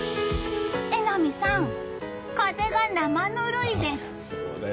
榎並さん、風が生ぬるいです。